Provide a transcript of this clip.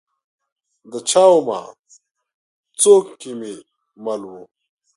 د چا ومه؟ څوک کې مل وه ؟